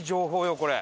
これ。